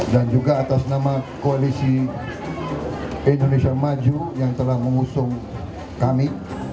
dan juga atas nama koalisi indonesia maju yang telah mengusung kami